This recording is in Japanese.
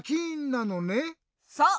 そう！